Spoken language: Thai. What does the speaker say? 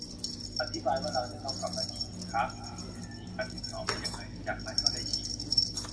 อธิบายว่าเราจะต้องกลับมาฉีดอีกครั้ง จะมีการติดต่อไปยังไง จากนั้นก็ได้ฉีด